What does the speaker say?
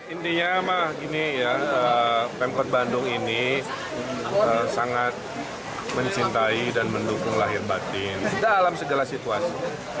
intinya pemkot bandung ini sangat mencintai dan mendukung lahir batin dalam segala situasi